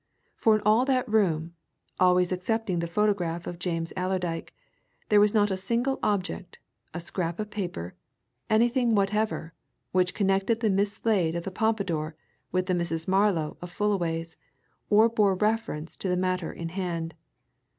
For in all that room always excepting the photograph of James Allerdyke there was not a single object, a scrap of paper, anything whatever, which connected the Miss Slade of the Pompadour with the Mrs. Marlow of Fullaway's or bore reference to the matter in hand.